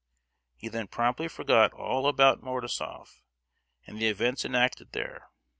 He then promptly forgot all about Mordasof, and the events enacted there.